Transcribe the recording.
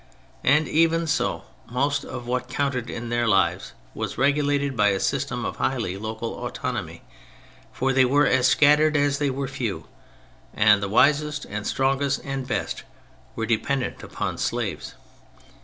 And even so, most of what counted in their lives was regu lated by a system of highly local autonomy : for they were as scattered as they were few, and the wisest and strongest and best were dependent upon slaves.